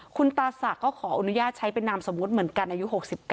คุณตาศักดิ์ก็ขออนุญาตใช้เป็นนามสมมุติเหมือนกันอายุ๖๙